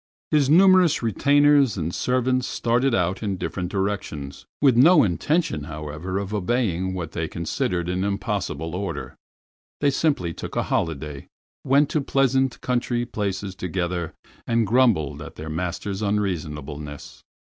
His numerous retainers and servants started out in different directions, with no intention, however, of obeying what they considered an impossible order. They simply took a holiday, went to pleasant country places together, and grumbled at their master's unreasonableness.